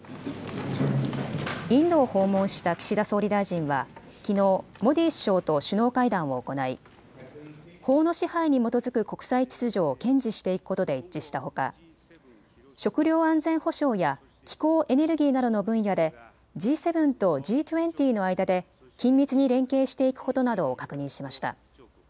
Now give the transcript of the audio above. インドを訪問した岸田総理大臣はきのうモディ首相と首脳会談を行い法の支配に基づく国際秩序を堅持していくことで一致したほか、食料安全保障や気候・エネルギーなどの分野でＧ７とＧ２０の間で緊密に連携していくことなどを確認しました。